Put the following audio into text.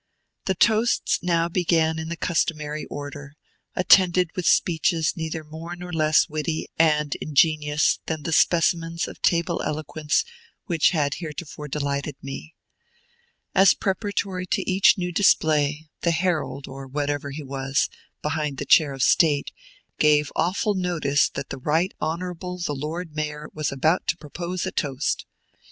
The toasts now began in the customary order, attended with speeches neither more nor less witty and ingenious than the specimens of table eloquence which had heretofore delighted me. As preparatory to each new display, the herald, or whatever he was, behind the chair of state, gave awful notice that the Right Honorable the Lord Mayor was about to propose a toast.